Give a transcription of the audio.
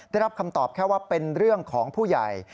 ได้รับคำตอบแค่ว่าเป็นเรื่องของผู้ใหญ่